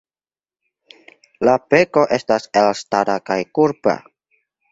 La beko estas elstara kaj kurba.